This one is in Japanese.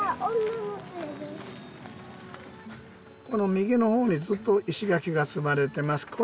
この右の方にずっと石垣が積まれてます。